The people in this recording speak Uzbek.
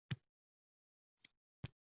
Topganiga qaynisiga uy solib, chiqarishdi